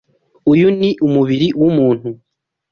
Uyu ni umubiri w’umuntu